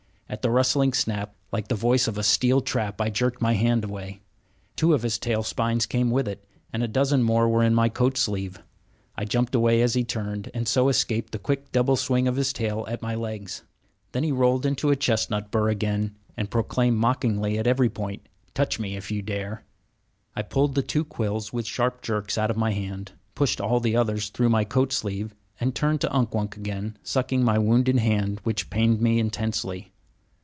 At the rustling snap, like the voice of a steel trap, I jerked my hand away. Two of his tail spines came with it; and a dozen more were in my coat sleeve. I jumped away as he turned, and so escaped the quick double swing of his tail at my legs. Then he rolled into a chestnut bur again, and proclaimed mockingly at every point: "Touch me if you dare!" I pulled the two quills with sharp jerks out of my hand, pushed all the others through my coat sleeve, and turned to Unk Wunk again, sucking my wounded hand, which pained me intensely.